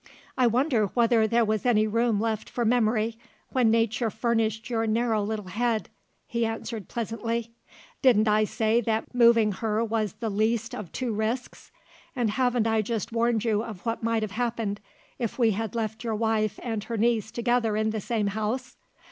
"I wonder whether there was any room left for memory, when nature furnished your narrow little head," he answered pleasantly. "Didn't I say that moving her was the least of two risks? And haven't I just warned you of what might have happened, if we had left your wife and her niece together in the same house?